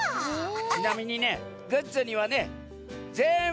ちなみにねグッズにはねぜんぶ